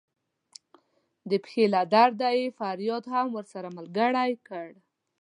د پښې له درده یې فریاد هم ورسره ملګری کړ.